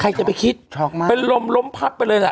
ใครจะไปคิดเป็นล้มล้มพับไปเลยล่ะ